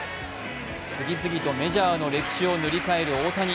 次々とメジャーの歴史を塗り替える大谷。